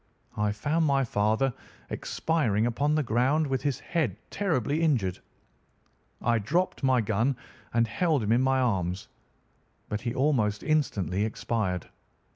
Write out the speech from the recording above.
I found my father expiring upon the ground, with his head terribly injured. I dropped my gun and held him in my arms, but he almost instantly expired.